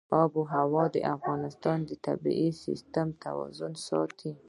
آب وهوا د افغانستان د طبعي سیسټم توازن ساتي.